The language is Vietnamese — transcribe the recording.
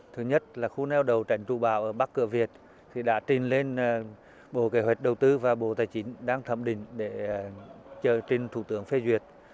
thứ nhất là khu neo đầu tránh trụ bão ở bắc cửa việt đã trình lên bộ kế hoạch đầu tư và bộ tài chính đang thẩm định để chờ trình thủ tướng phê duyệt